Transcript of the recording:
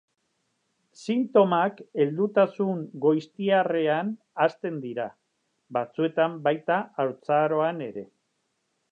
Sintomak heldutasun goiztiarrean hasten dira, batzuetan baita haurtzaroan ere.